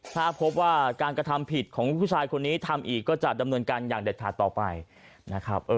ถ้าพบว่าการกระทำผิดของผู้ชายคนนี้ทำอีกก็จะดำเนินการอย่างเด็ดขาดต่อไปนะครับ